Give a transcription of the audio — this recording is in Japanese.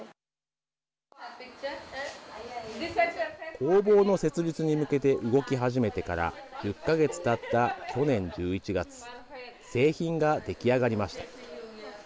工房の設立に向けて動き始めてから１０か月たった去年１１月製品ができ上がりました。